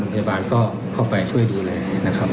พยาบาลก็เข้าไปช่วยดูแลนะครับ